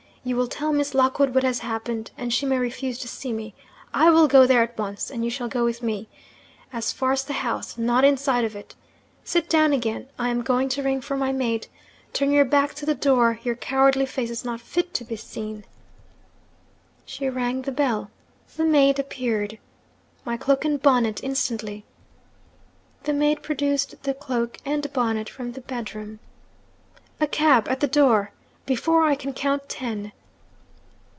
you will tell Miss Lockwood what has happened, and she may refuse to see me. I will go there at once, and you shall go with me. As far as the house not inside of it. Sit down again. I am going to ring for my maid. Turn your back to the door your cowardly face is not fit to be seen!' She rang the bell. The maid appeared. 'My cloak and bonnet instantly!' The maid produced the cloak and bonnet from the bedroom. 'A cab at the door before I can count ten!'